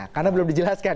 karena belum dijelaskan kan